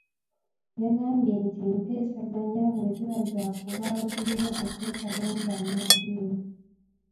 Yagambye nti enteeseganya bwe ziba zaakubaawo zirina okwetabamu bannaddiini.